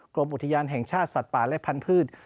กรมอุทยานแห่งชาติสัตว์ป่าและพันธุ์